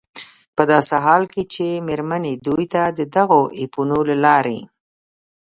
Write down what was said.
په داسې حال کې چې مېرمنې دوی ته د دغو اپونو له لارې